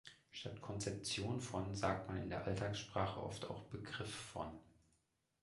Statt „Konzeption von“ sagt man in der Alltagssprache oft auch „Begriff von“.